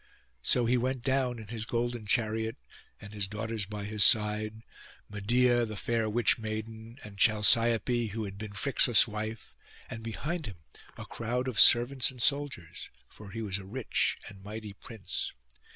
So he went down in his golden chariot, and his daughters by his side, Medeia the fair witch maiden, and Chalciope, who had been Phrixus' wife, and behind him a crowd of servants and soldiers, for he was a rich and mighty prince.